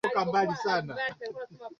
Mtu anashinda nini?